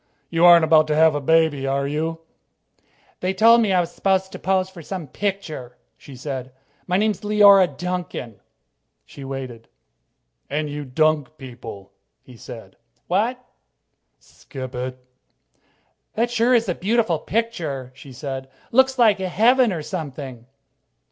"You aren't about to have a baby, are you?" "They told me I was supposed to pose for some picture," she said. "My name's Leora Duncan." She waited. "And you dunk people," he said. "What?" she said. "Skip it," he said. "That sure is a beautiful picture," she said. "Looks just like heaven or something."